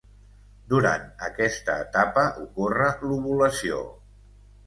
Durant aquesta etapa ocorre l'ovulació.